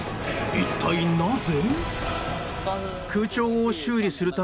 一体、なぜ？